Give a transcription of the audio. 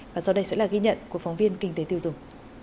và sau đây sẽ là ghi nhận của phóng viên kinh tế tiêu dùng